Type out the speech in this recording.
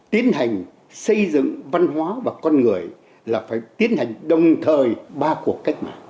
tiến hành xây dựng văn hóa và con người là phải tiến hành đồng thời ba cuộc cách mạng